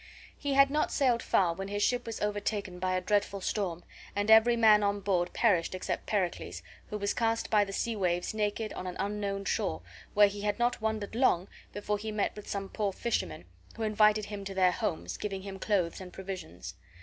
He had not sailed far when his ship was overtaken by a dreadful storm, and every man on board perished except Pericles, who was cast by the sea waves naked on an unknown shore, where he had not wandered long before he met with some poor fishermen, who invited him to their homes, giving him clothes and provisions.